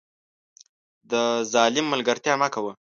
د ظالم ملګرتیا مه کوه